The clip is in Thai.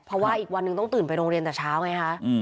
เพราะว่าอีกวันหนึ่งต้องตื่นไปโรงเรียนแต่เช้าไงคะ